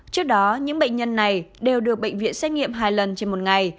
trước đó những bệnh nhân này đều được bệnh viện xét nghiệm hai lần trên một ngày